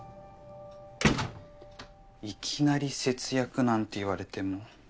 いきなり節約なんて言われても。